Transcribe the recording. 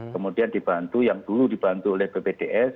kemudian dibantu yang dulu dibantu oleh bpds